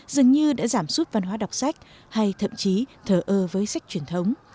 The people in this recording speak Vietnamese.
dường như đã giảm suốt văn hóa đọc sách hay thậm chí thở ơ với sách truyền thống